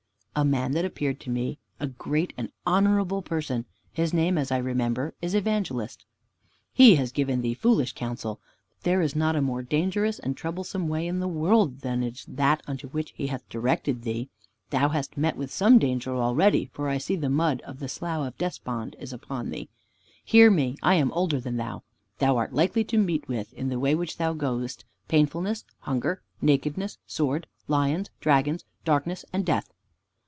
"A man that appeared to me a very great and honorable person. His name, as I remember, is Evangelist." "He has given thee foolish counsel. There is not a more dangerous and troublesome way in the world than is that unto which he hath directed thee. Thou hast met with some danger already, for I see the mud of the Slough of Despond is upon thee. Hear me, I am older than thou. Thou art likely to meet with, in the way which thou goest, painfulness, hunger, nakedness, sword, lions, dragons, darkness, and death."